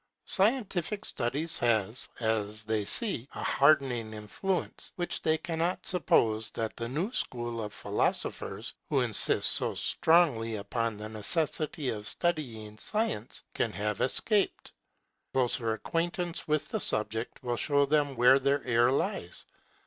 Scientific studies have, as they see, a hardening influence, which they cannot suppose that the new school of philosophers, who insist so strongly upon the necessity of studying science, can have escaped. Closer acquaintance with the subject will show them where their error lies.